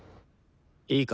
いいか